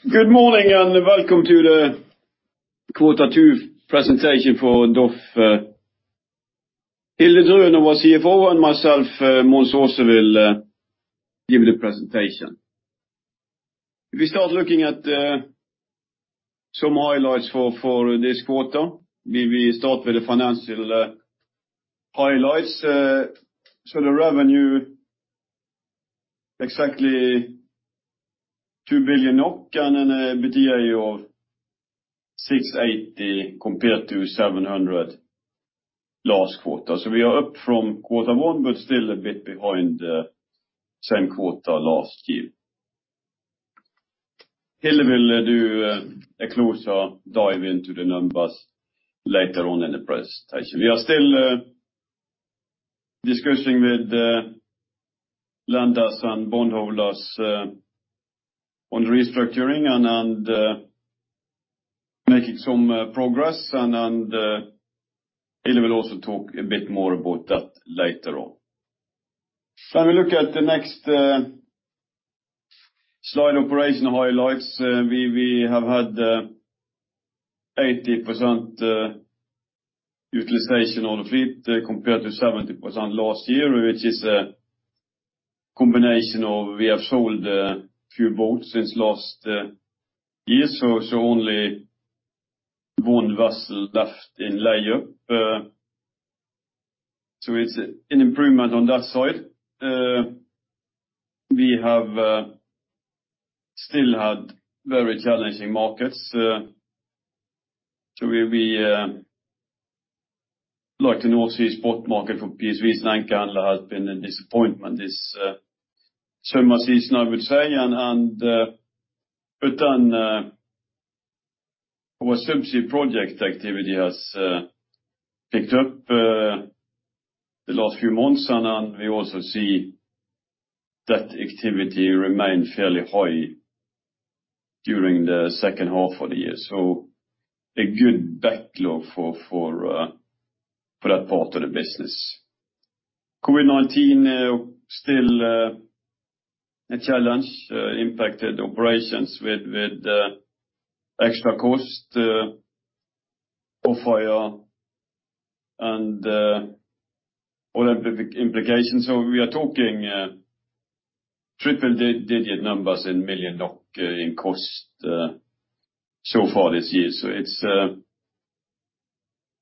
Good morning, welcome to the quarter two presentation for DOF. Hilde Drønen our CFO and myself, Mons Aase will give the presentation. If we start looking at some highlights for this quarter. We start with the financial highlights. The revenue exactly 2 billion NOK and an EBITDA of 680 compared to 700 last quarter. We are up from quarter one, but still a bit behind same quarter last year. Hilde will do a closer dive into the numbers later on in the presentation. We are still discussing with lenders and bondholders on the restructuring and making some progress. Hilde will also talk a bit more about that later on. When we look at the next slide, operation highlights. We have had 80% utilization of the fleet compared to 70% last year, which is a combination of we have sold a few boats since last year. It's only one vessel left in layup. It's an improvement on that side. We have still had very challenging markets. The North Sea spot market for PSVs and AHTS has been a disappointment this summer season, I would say. Our Subsea project activity has picked up the last few months. We also see that activity remain fairly high during the second half of the year. A good backlog for that part of the business. COVID-19 still a challenge, impacted operations with extra cost of IFR and all the implications. We are talking triple-digit numbers in million NOK in cost so far this year.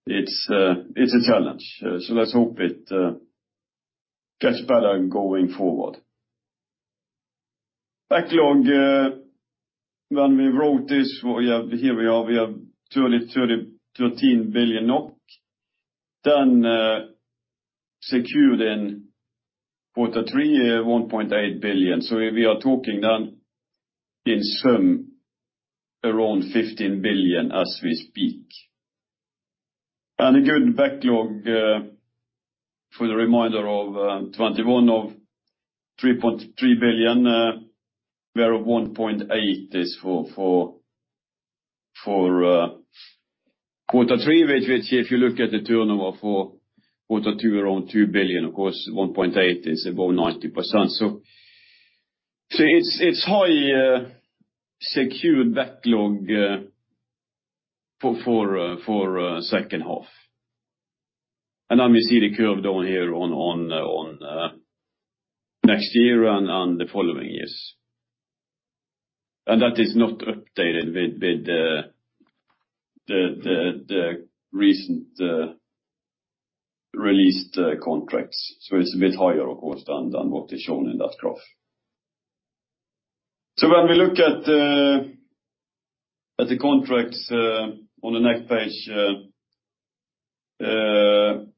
It's a challenge. Let's hope it gets better going forward. Backlog. When we wrote this, here we have 13 billion NOK secured in Q3, 1.8 billion. We are talking in sum around 15 billion as we speak. A good backlog for the remainder of 2021 of 3.3 billion, whereof 1.8 billion is for Q3, which if you look at the turnover for Q2, around 2 billion, of course, 1.8 billion is above 90%. It is high secured backlog for second half. We see the curve down here on next year and the following years. That is not updated with the recent released contracts. It is a bit higher, of course, than what is shown in that graph. When we look at the contracts on the next page, it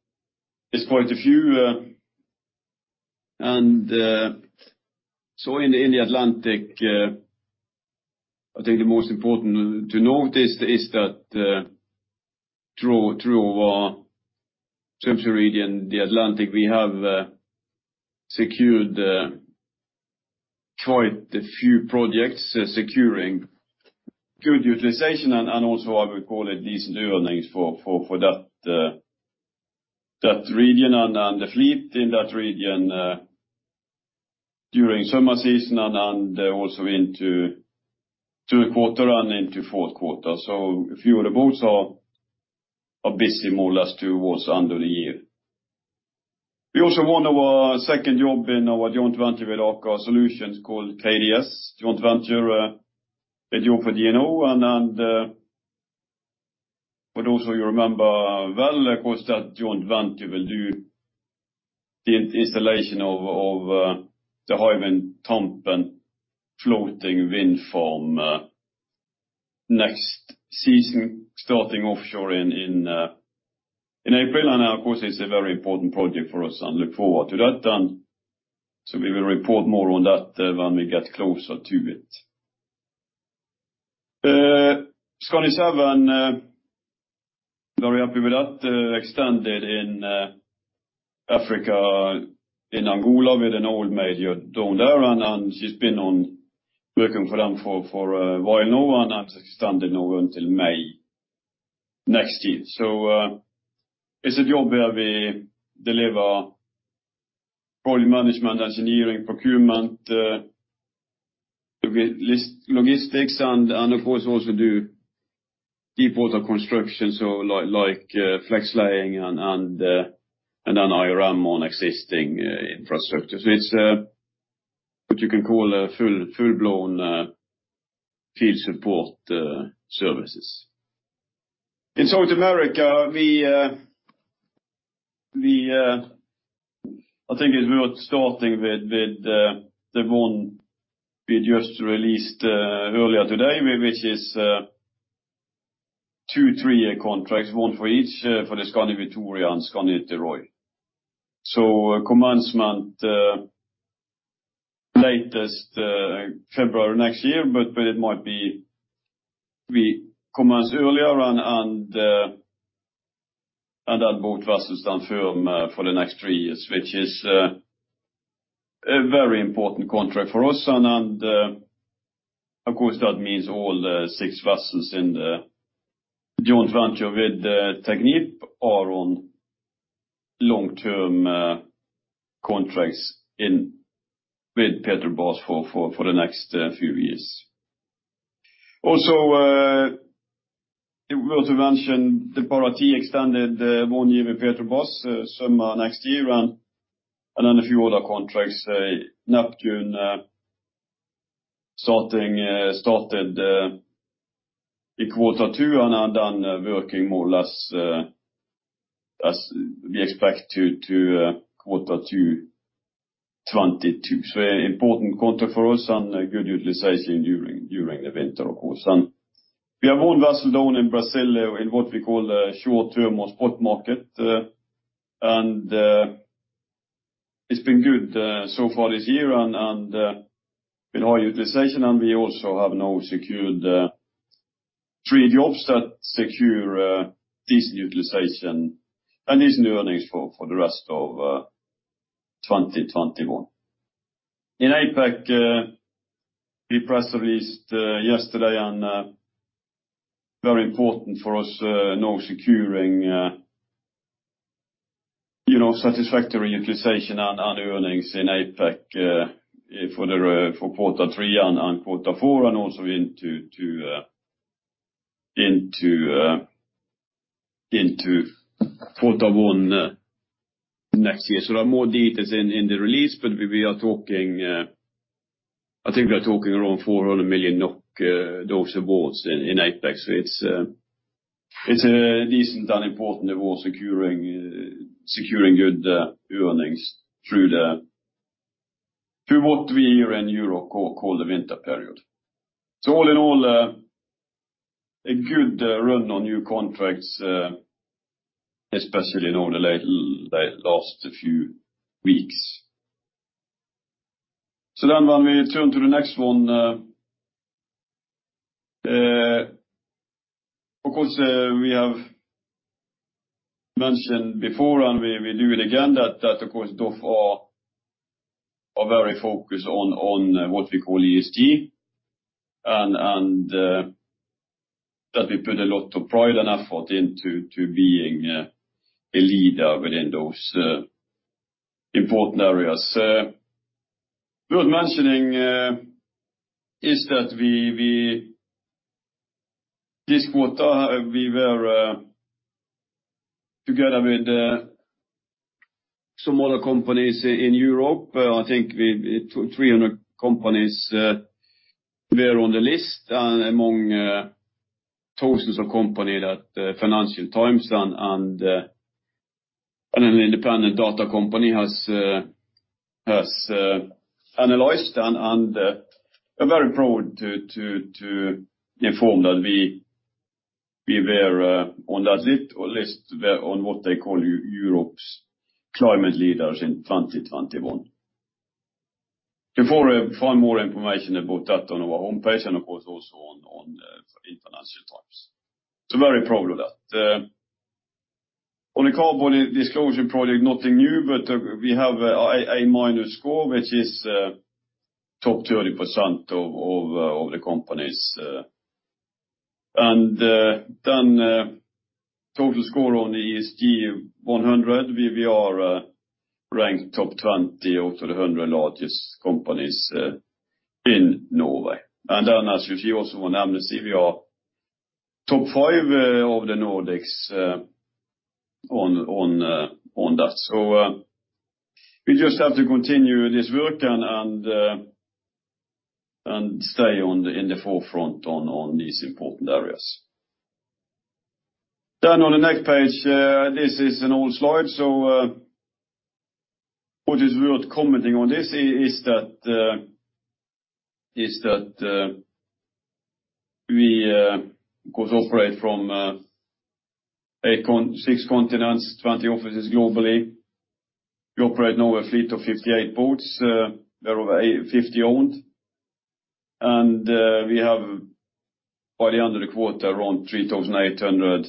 is quite a few. In the Atlantic, I think the most important to notice is that through our Subsea region, the Atlantic, we have secured quite a few projects, securing good utilization and also I would call it decent earnings for that region and the fleet in that region during summer season and also into third quarter and into fourth quarter. A few of the boats are busy more or less towards end of the year. We also won our second job in our joint venture with Aker Solutions called KDS. Joint venture, a job for DNO, and for those of you remember well, of course, that joint venture will do the installation of the Hywind Tampen floating wind farm next season, starting offshore in April. Of course, it's a very important project for us and look forward to that. We will report more on that when we get closer to it. Skandi Seven, we have with that extended in Africa, in Angola with an oil major down there and it's been on work in front for a while now and that's extended now until May next year. As a job where we deliver project management, engineering, procurement, logistics and of course also do deep water construction, like flex laying and then IRM on existing infrastructure. It's what you can call a full-blown field support services. In South America, I think it's worth starting with the one we just released earlier today, which is two, three-year contracts, one for each for the Skandi Vitória and Skandi Niterói. Commencement latest February next year, but it might be we commence earlier and on both vessels then firm for the next three years, which is a very important contract for us. Of course, that means all six vessels in the joint venture with Technip are on long-term contracts with Petrobras for the next few years. Also it's worth to mention the Paraty extended one year with Petrobras summer next year and then a few other contracts, Neptune started in quarter two and then working more or less as we expect to quarter two 2022. A important contract for us and a good utilization during the winter, of course. We have one vessel down in Brazil in what we call a short-term on spot market. It's been good so far this year with high utilization and we also have now secured three jobs that secure decent utilization and decent earnings for the rest of 2021. In APAC, we press released yesterday and very important for us now securing satisfactory utilization and earnings in APAC for quarter three and quarter four and also into quarter one next year. There are more details in the release, but I think we are talking around 400 million NOK those awards in APAC. It's a decent and important award securing good earnings through what we here in Europe call the winter period. All in all a good run on new contracts especially in all the last few weeks. When we turn to the next one, of course, we have mentioned before and we do it again that, of course, DOF are very focused on what we call ESG and that we put a lot of pride and effort into being a leader within those important areas. Worth mentioning is that this quarter we were together with some other companies in Europe. I think 300 companies were on the list and among thousands of company that Financial Times and an independent data company has analyzed and very proud to inform that we were on that list on what they call Europe's climate leaders in 2021. You can find more information about that on our own page and of course also on Financial Times. Very proud of that. On the Carbon Disclosure Project, nothing new, but we have an A minus score, which is top 30% of the companies. Total score on ESG 100, we are ranked top 20 of the 100 largest companies in Norway. As you also remember, we are top five of the Nordics on that. We just have to continue this work and stay in the forefront on these important areas. On the next page this is an old slide. What is worth commenting on this is that we, of course, operate from six continents, 20 offices globally. We operate now a fleet of 58 ports, thereof 50 owned. We have by the end of the quarter around 3,800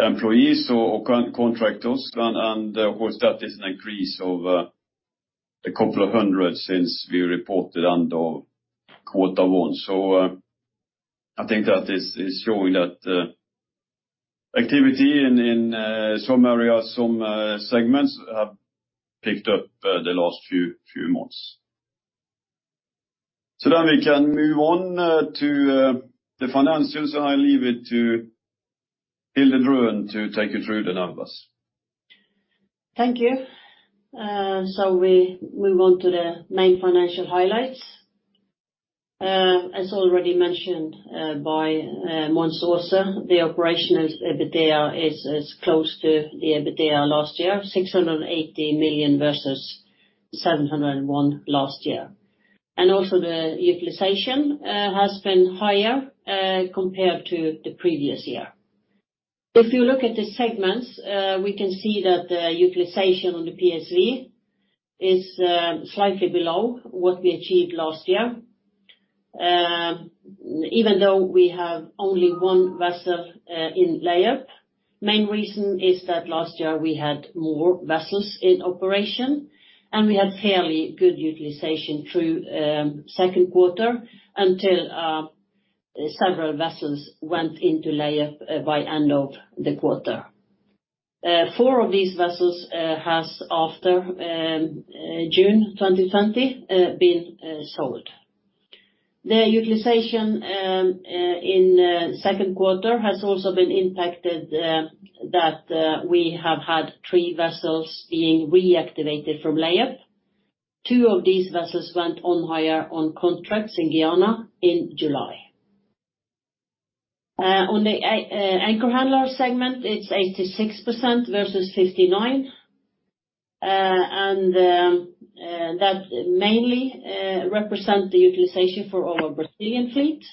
employees or contractors and that is an increase of a couple of hundred since we reported end of quarter one. I think that is showing that activity in some areas, some segments have picked up the last few months. We can move on to the financials, and I leave it to Hilde Drønen to take you through the numbers. Thank you. We move on to the main financial highlights. As already mentioned by Mons Aase, the operational EBITDA is close to the EBITDA last year, 680 million versus 701 million last year. Also the utilization has been higher compared to the previous year. If you look at the segments, we can see that the utilization on the PSV is slightly below what we achieved last year. Even though we have only one vessel in layup. Main reason is that last year we had more vessels in operation, and we had fairly good utilization through second quarter until several vessels went into layup by end of the quarter. Four of these vessels has after June 2020 been sold. The utilization in second quarter has also been impacted that we have had three vessels being reactivated from layup. Two of these vessels went on hire on contracts in Guyana in July. On the anchor handler segment, it is 86% versus 59%, and that mainly represent the utilization for our Brazilian fleet,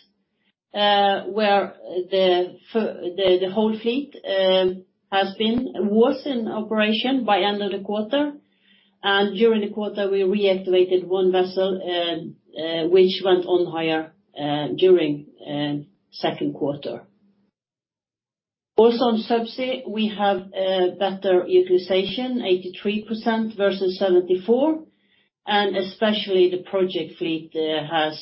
where the whole fleet was in operation by end of the quarter. During the quarter, we reactivated one vessel which went on hire during second quarter. Also on DOF Subsea, we have better utilization, 83% versus 74%, and especially the project fleet has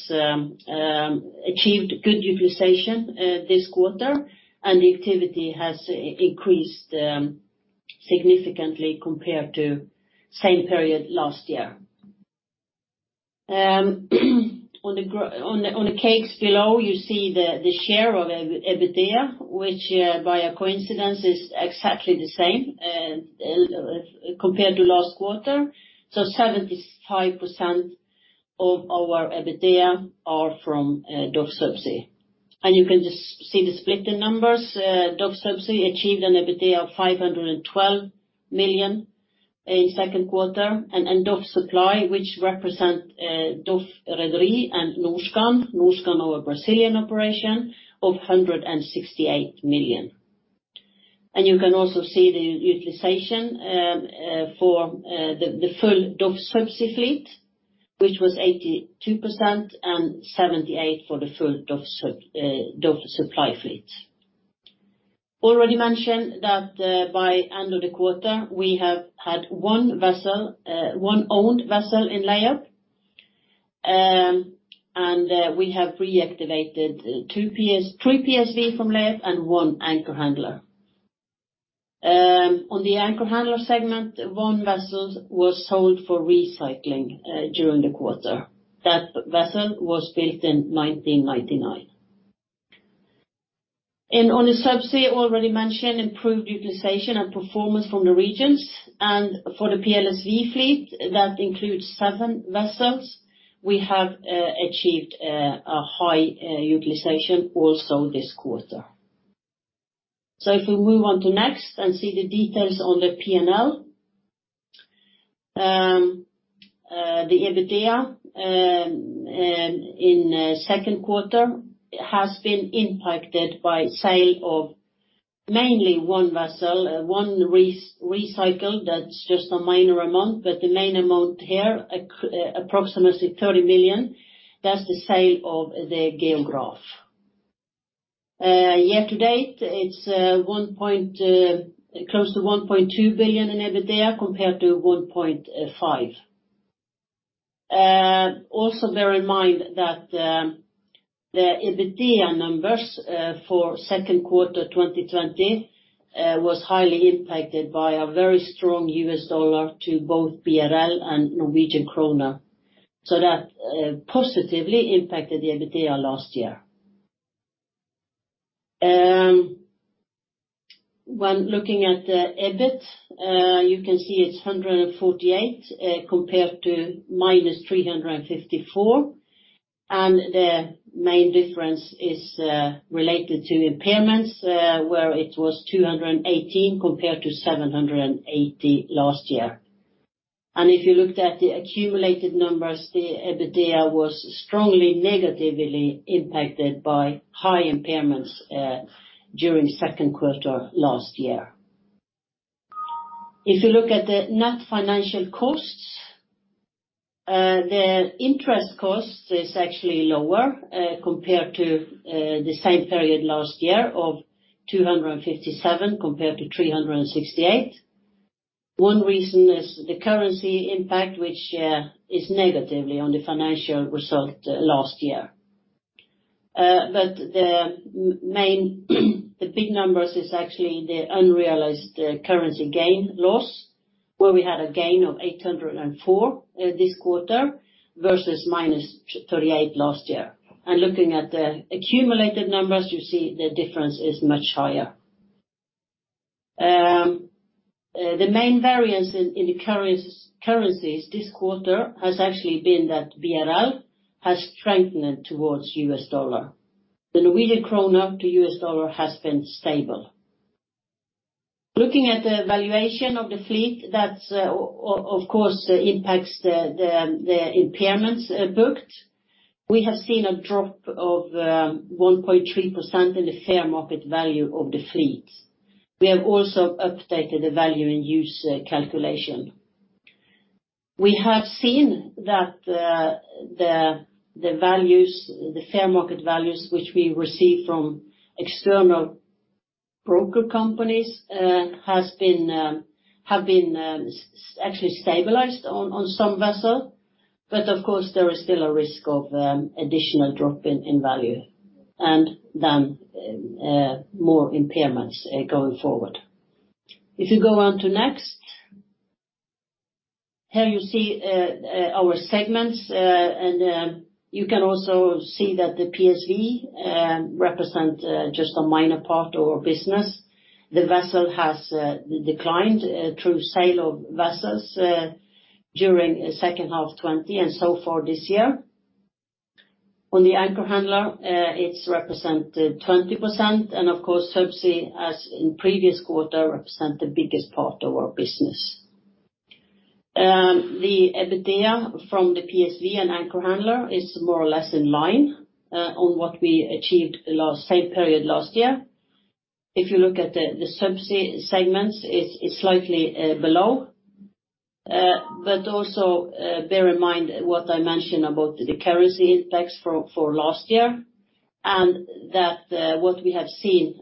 achieved good utilization this quarter, and the activity has increased significantly compared to same period last year. On the case below, you see the share of EBITDA, which, by a coincidence, is exactly the same compared to last quarter. 75% of our EBITDA are from DOF Subsea. You can just see the split in numbers. DOF Subsea achieved an EBITDA of 512 million in second quarter, DOF Supply, which represent DOF Rederi and Norskan, our Brazilian operation, of 168 million. You can also see the utilization for the full DOF Subsea fleet which was 82% and 78% for the full DOF Supply fleet. Already mentioned that by end of the quarter, we have had one owned vessel in layup, and we have reactivated three PSV from layup and one anchor handler. On the anchor handler segment, one vessel was sold for recycling during the quarter. That vessel was built in 1999. On the Subsea already mentioned, improved utilization and performance from the regions and for the PLSV fleet that includes seven vessels, we have achieved a high utilization also this quarter. If we move on to next and see the details on the P&L. The EBITDA in second quarter has been impacted by sale of mainly one vessel, one recycled, that's just a minor amount, but the main amount here, approximately 30 million, that's the sale of the Georg Graf. Year-to-date, it's close to 1.2 billion in EBITDA compared to 1.5 billion. Bear in mind that the EBITDA numbers for second quarter 2020 was highly impacted by a very strong US dollar to both BRL and Norwegian krone. That positively impacted the EBITDA last year. When looking at the EBIT, you can see it's 148 compared to -354. The main difference is related to impairments where it was 218 compared to 780 last year. If you looked at the accumulated numbers, the EBITDA was strongly negatively impacted by high impairments during second quarter last year. If you look at the net financial costs, the interest cost is actually lower compared to the same period last year of 257 compared to 368. One reason is the currency impact, which is negatively on the financial result last year. The big numbers is actually the unrealized currency gain loss, where we had a gain of 804 this quarter versus minus 38 last year. Looking at the accumulated numbers, you see the difference is much higher. The main variance in currencies this quarter has actually been that BRL has strengthened towards US dollar. The Norwegian krone up to US dollar has been stable. Looking at the valuation of the fleet, that of course impacts the impairments booked. We have seen a drop of 1.3% in the fair market value of the fleet. We have also updated the value in use calculation. We have seen that the fair market values, which we receive from external broker companies, have been actually stabilized on some vessel, but of course, there is still a risk of additional drop in value and then more impairments going forward. If you go on to next. Here you see our segments, and you can also see that the PSV represent just a minor part of our business. The vessel has declined through sale of vessels during second half 2020 and so far this year. On the anchor handler, it's represented 20%, and of course, Subsea, as in previous quarter, represent the biggest part of our business. The EBITDA from the PSV and anchor handler is more or less in line on what we achieved same period last year. If you look at the Subsea segments, it's slightly below. Also bear in mind what I mentioned about the currency impacts for last year, and that what we have seen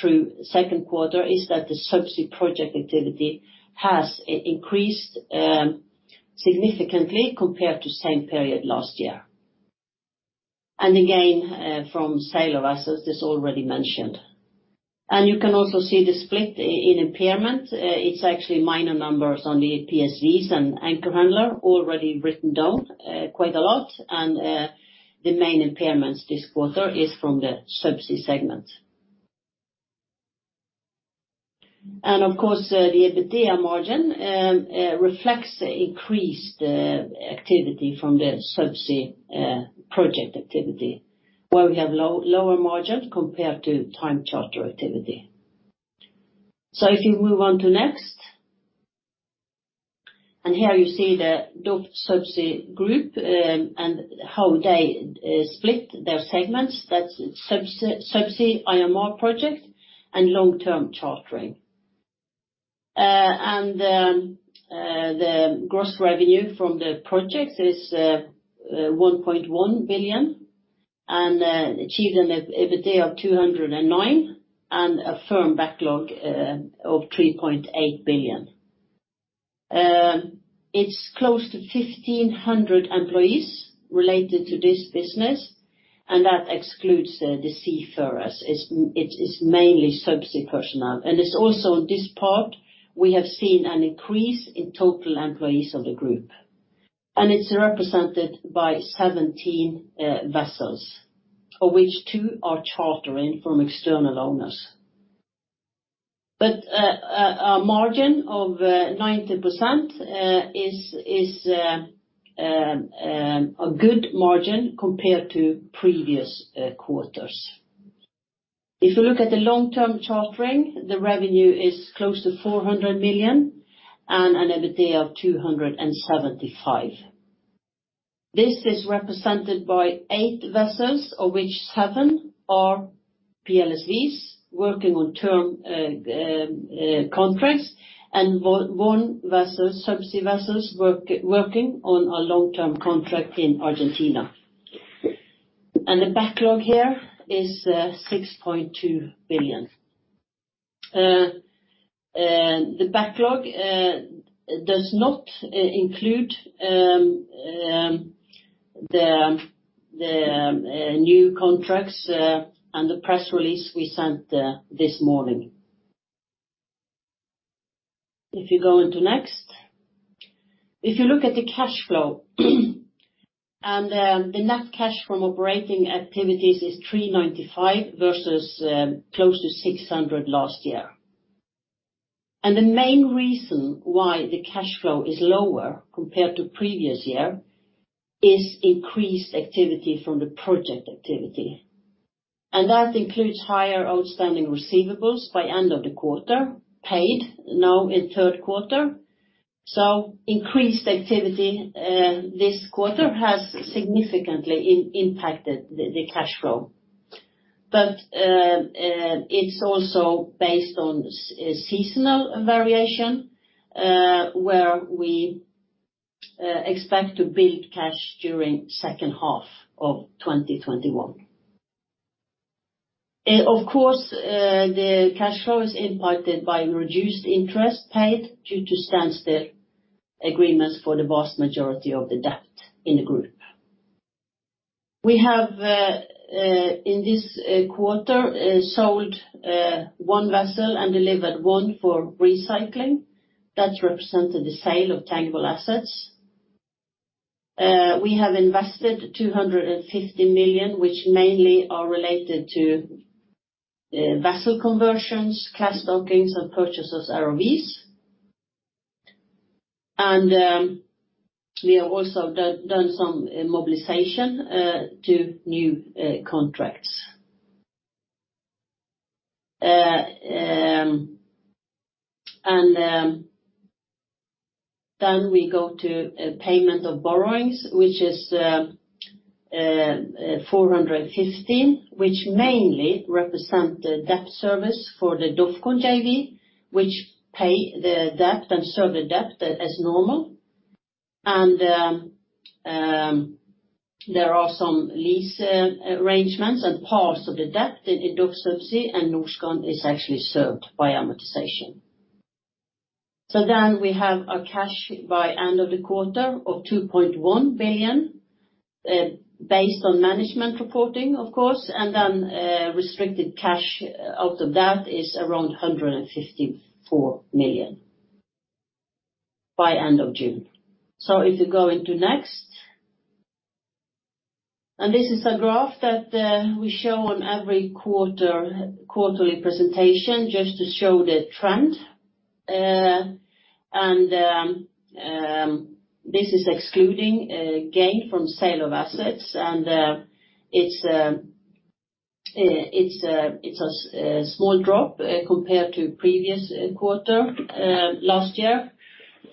through second quarter is that the Subsea project activity has increased significantly compared to same period last year. Again from sale of assets, as already mentioned. You can also see the split in impairment. It's actually minor numbers on the PSVs and anchor handler already written down quite a lot. The main impairments this quarter is from the Subsea segment. Of course, the EBITDA margin reflects the increased activity from the Subsea project activity, where we have lower margin compared to time charter activity. If you move on to next. Here you see the DOF Subsea Group and how they split their segments. That is Subsea IMR project and long-term chartering. The gross revenue from the project is 1.1 billion and achieved an EBITDA of 209 and a firm backlog of 3.8 billion. It is close to 1,500 employees related to this business, and that excludes the seafarers. It is mainly Subsea personnel. It is also in this part we have seen an increase in total employees of the group. It is represented by 17 vessels, of which two are chartering from external owners. A margin of 90% is a good margin compared to previous quarters. If you look at the long-term chartering, the revenue is close to 400 million and an EBITDA of 275. This is represented by eight vessels, of which seven are PLSVs working on term contracts and one Subsea vessels working on a long-term contract in Argentina. The backlog here is 6.2 billion. The backlog does not include the new contracts and the press release we sent this morning. If you go into next. If you look at the cash flow and the net cash from operating activities is 395 versus close to 600 last year. The main reason why the cash flow is lower compared to previous year is increased activity from the project activity. That includes higher outstanding receivables by end of the quarter, paid now in third quarter. Increased activity this quarter has significantly impacted the cash flow. But it's also based on seasonal variation, where we expect to build cash during second half of 2021. Of course, the cash flow is impacted by reduced interest paid due to standstill agreements for the vast majority of the debt in the group. We have in this quarter, sold one vessel and delivered one for recycling. That represented the sale of tangible assets. We have invested 250 million, which mainly are related to vessel conversions, class dockings and purchases ROVs. We have also done some mobilization to new contracts. We go to payment of borrowings, which is 415, which mainly represent the debt service for the DOFCON JV, which pay the debt and serve the debt as normal. There are some lease arrangements and parts of the debt in DOF Subsea and Norskan is actually served by amortization. We have a cash by end of the quarter of 2.1 billion based on management reporting, of course, and then restricted cash out of that is around 154 million by end of June. If you go into next. This is a graph that we show on every quarterly presentation just to show the trend. This is excluding gain from sale of assets and it's a small drop compared to previous quarter last year.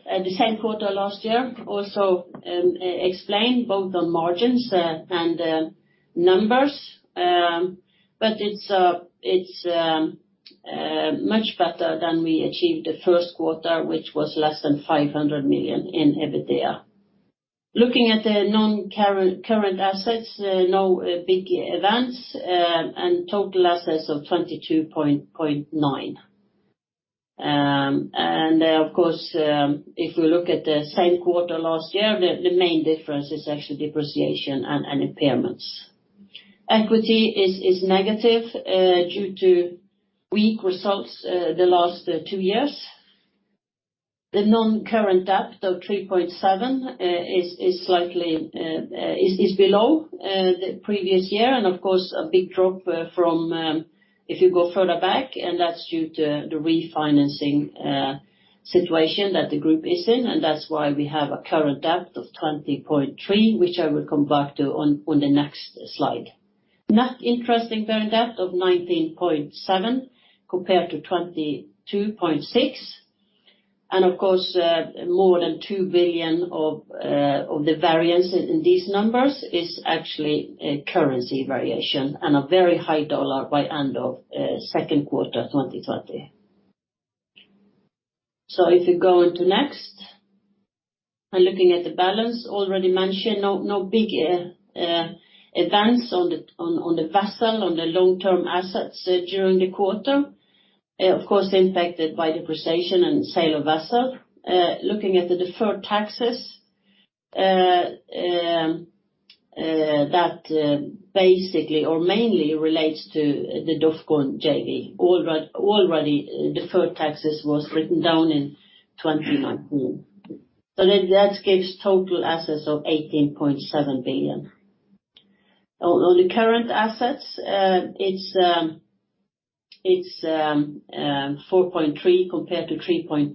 The same quarter last year also explained both on margins and numbers. It's much better than we achieved the first quarter, which was less than 500 million in EBITDA. Looking at the non-current assets, no big events and total assets of 22.9. Of course, if we look at the same quarter last year, the main difference is actually depreciation and impairments. Equity is negative due to weak results the last two years. The non-current debt of 3.7 is below the previous year. Of course a big drop from if you go further back. That's due to the refinancing situation that the DOF Group is in. That's why we have a current debt of 20.3, which I will come back to on the next slide. Net interest-bearing debt of 19.7 compared to 22.6. Of course more than 2 billion of the variance in these numbers is actually a currency variation and a very high dollar by end of second quarter 2020. If you go onto next. By looking at the balance already mentioned, no big events on the vessel, on the long-term assets during the quarter. Of course impacted by depreciation and sale of vessel. Looking at the deferred taxes that basically or mainly relates to the DOFCON JV. Already deferred taxes was written down in 2019. That gives total assets of 18.7 billion. On the current assets, it's 4.3 compared to 3.9.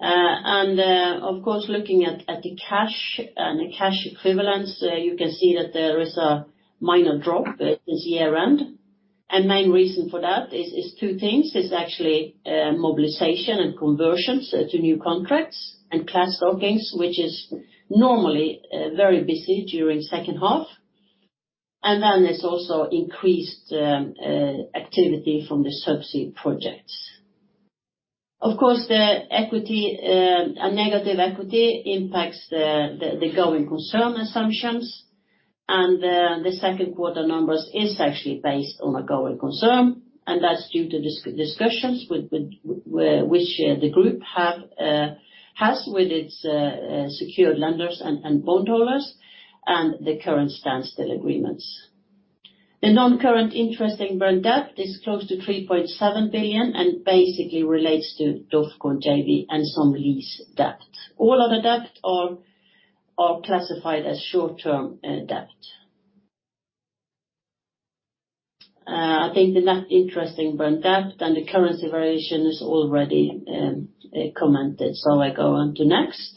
Of course looking at the cash and the cash equivalents you can see that there is a minor drop this year end and main reason for that is two things. It's actually mobilization and conversions to new contracts and class dockings which is normally very busy during second half. There's also increased activity from the Subsea projects. Of course, the negative equity impacts the going concern assumptions and the second quarter numbers is actually based on a going concern and that's due to discussions which the group has with its secured lenders and bondholders and the current standstill agreements. The non-current interest-bearing debt is close to 3.7 billion and basically relates to DOFCON JV and some lease debt. All other debt are classified as short-term debt. I think the net interest-bearing debt and the currency variation is already commented. I go on to next.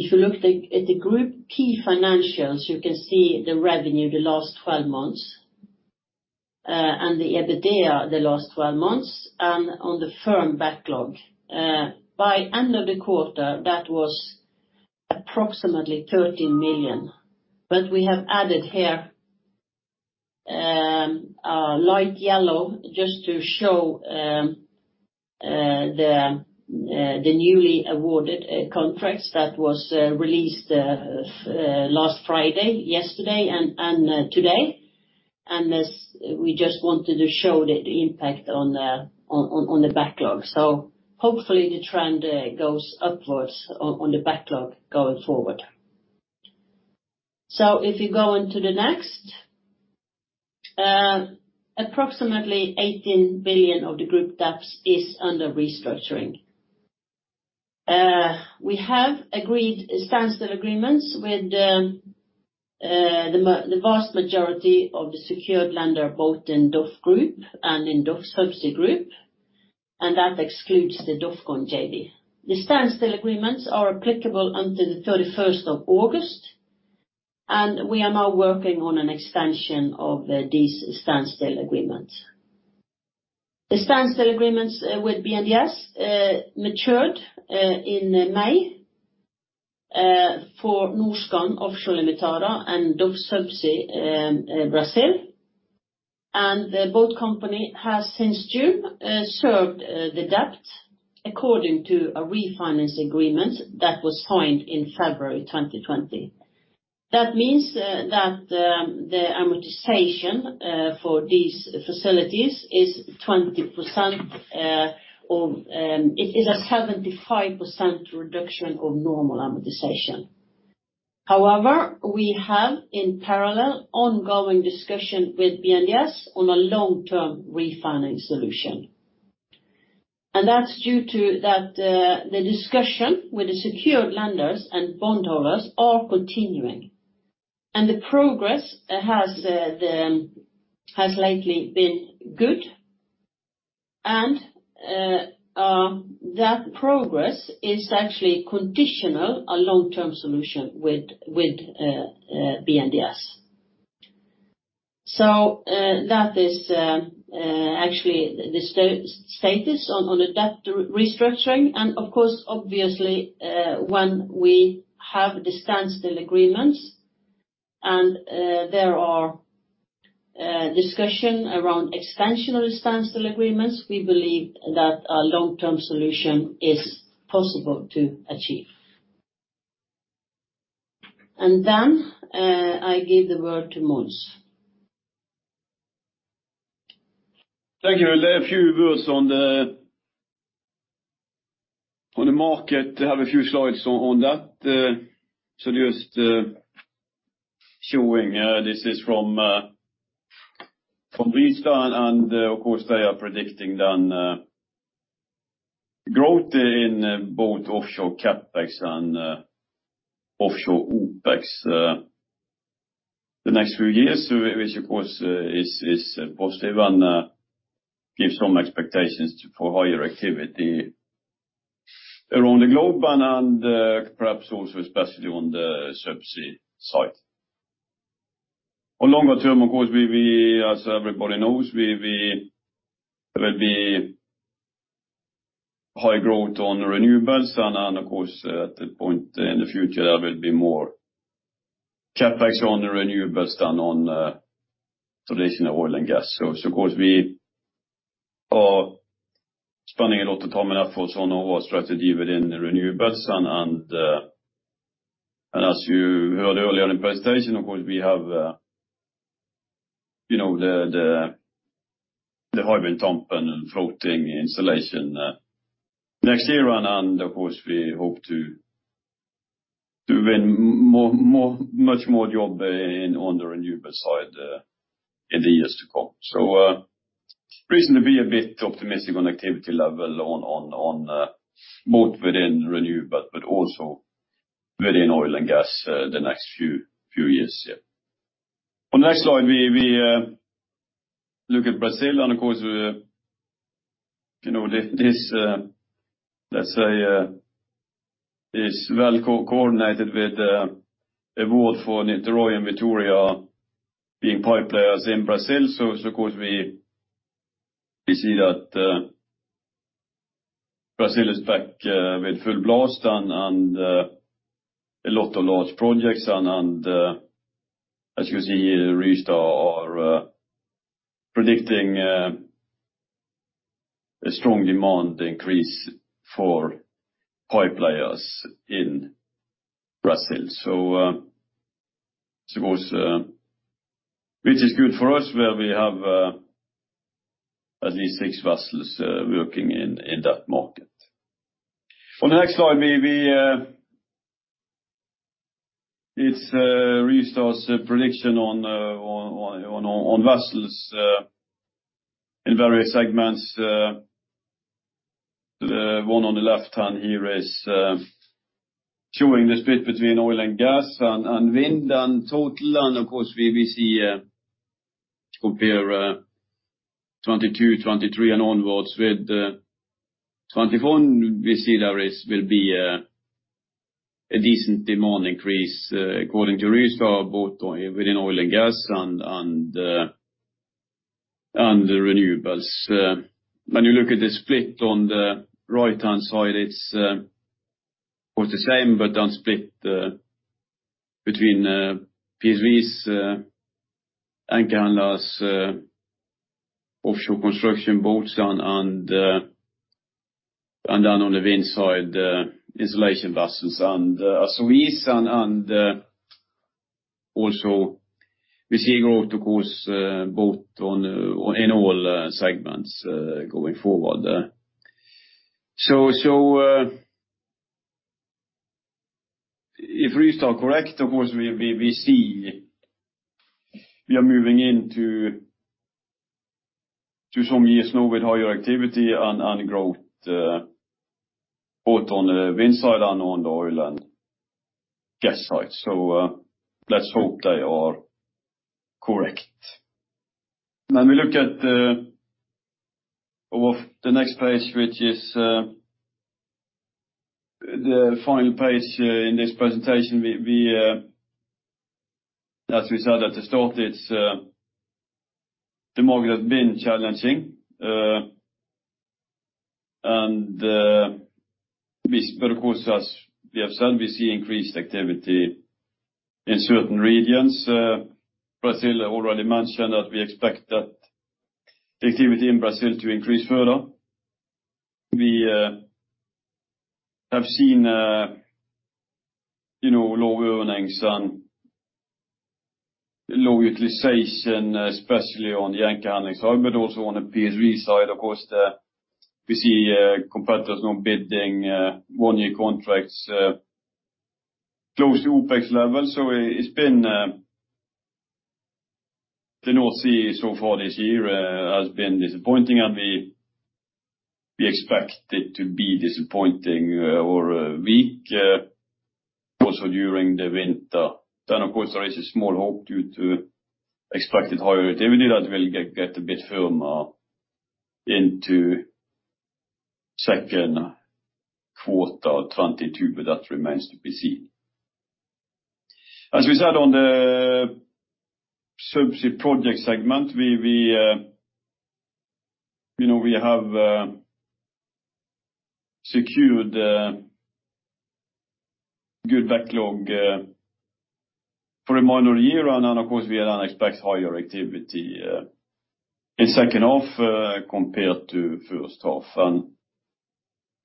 If you look at the group key financials, you can see the revenue the last 12 months. The EBITDA, the last 12 months and on the firm backlog. By end of the quarter, that was approximately 13 million. We have added here light yellow just to show the newly awarded contracts that was released last Friday, yesterday, and today. We just wanted to show the impact on the backlog. Hopefully the trend goes upwards on the backlog going forward. If you go on to the next. Approximately 18 billion of the group debts is under restructuring. We have agreed standstill agreements with the vast majority of the secured lender, both in DOF Group and in DOF Subsea Group. That excludes the DOFCON JV. The standstill agreements are applicable until the August 31st. We are now working on an extension of these standstill agreements. The standstill agreements with BNDES matured in May for Norskan Offshore Ltda. and DOF Subsea Brasil. Both company has since June served the debt according to a refinance agreement that was signed in February 2020. That means that the amortization for these facilities. It is a 75% reduction of normal amortization. However, we have in parallel, ongoing discussion with BNDES on a long-term refinancing solution. That's due to that the discussion with the secured lenders and bondholders are continuing. The progress has lately been good and that progress is actually conditional, a long-term solution with BNDES. That is actually the status on the debt restructuring and, of course, obviously, when we have the standstill agreements and there are discussion around extension of the standstill agreements, we believe that a long-term solution is possible to achieve. I give the word to Mons. Thank you. A few words on the market. I have a few slides on that. Just showing, this is from Rystad and of course they are predicting then growth in both offshore CapEx and offshore OpEx the next few years, which of course is positive and gives some expectations for higher activity around the globe and perhaps also especially on the Subsea side. On longer term, of course, as everybody knows, there will be high growth on renewables and of course at a point in the future, there will be more CapEx on renewables than on traditional oil and gas. Of course we are spending a lot of time and efforts on our strategy within renewables and as you heard earlier in presentation, of course we have the Hywind Tampen floating installation next year and of course we hope to win much more job on the renewable side in the years to come. Reason to be a bit optimistic on activity level on both within renewable but also within oil and gas the next few years, yeah. On the next slide, we look at Brazil and of course, this let's say is well coordinated with award for Skandi Niterói and Skandi Vitória being pipe layers in Brazil. Of course we see that Brazil is back with full blast and a lot of large projects and as you see here Rystad are predicting a strong demand increase for pipe layers in Brazil. Which is good for us where we have at least six vessels working in that market. On the next slide, it's Rystad's prediction on vessels in various segments. The one on the left hand here is showing the split between oil and gas and wind and total. Of course, we will see compare 2022, 2023 and onwards with 2021. We see there will be a decent demand increase according to Rystad, both within oil and gas and renewables. When you look at the split on the right-hand side, it's almost the same, but then split between PSV and anchor handling offshore construction boats and then on the wind side, installation vessels and ASV. Also, we see growth, of course, both in all segments going forward. If Rystad is correct, of course, we are moving into some years now with higher activity and growth both on the wind side and on the oil and gas side. Let's hope they are correct. When we look at the next page, which is the final page in this presentation. As we said at the start, the market has been challenging. But of course, as we have said, we see increased activity in certain regions. Brazil, I already mentioned that we expect the activity in Brazil to increase further. We have seen low earnings and low utilization, especially on the anchor handling side, but also on the PSV side. Of course, we see competitors now bidding one-year contracts close to OpEx levels. The North Sea so far this year has been disappointing, and we expect it to be disappointing or weak also during the winter. Of course, there is a small hope due to expected higher activity that will get a bit firmer into second quarter of 2022, but that remains to be seen. As we said on the Subsea project segment, we have secured a good backlog for the remainder of the year and of course, we then expect higher activity in second half compared to first half.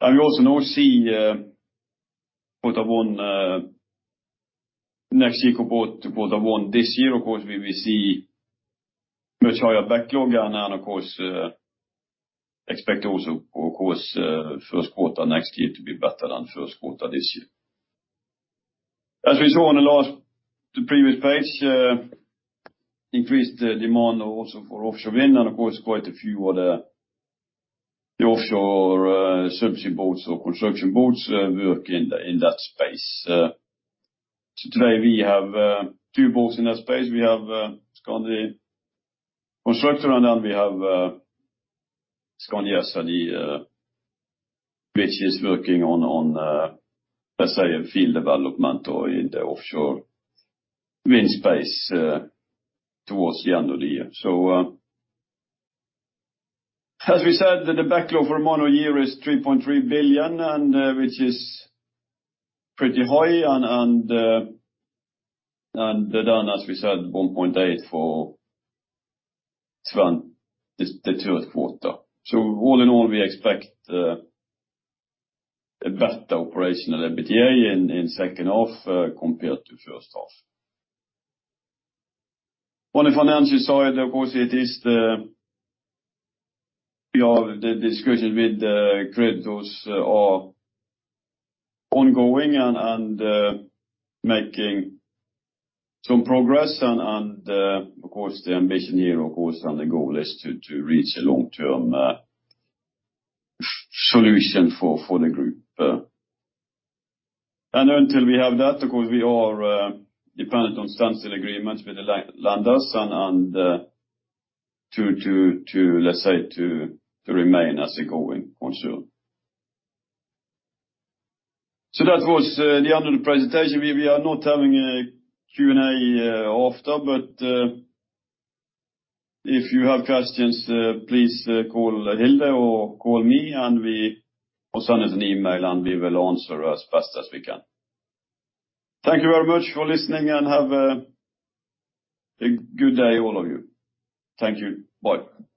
We also now see order won next year compared to order won this year. Of course, we will see much higher backlog and then of course, expect also, of course, first quarter next year to be better than first quarter this year. As we saw on the previous page, increased demand also for offshore wind and of course, quite a few of the offshore Subsea boats or construction boats work in that space. Today we have two boats in that space. We have Skandi Constructor and then we have Skandia Skansen, which is working on, let's say, a field development or in the offshore wind space towards the end of the year. As we said, the backlog for a minor year is 3.3 billion and which is pretty high and then as we said, 1.8 for the third quarter. All in all, we expect a better operational EBITDA in second half compared to first half. On the financial side, of course, the discussion with the creditors are ongoing and making some progress and of course, the ambition here, of course, and the goal is to reach a long-term solution for the group. Until we have that, of course, we are dependent on standstill agreements with the lenders and to, let's say, to remain as a going concern. That was the end of the presentation. We are not having a Q&A after. If you have questions, please call Hilde or call me or send us an email and we will answer as best as we can. Thank you very much for listening and have a good day all of you. Thank you. Bye.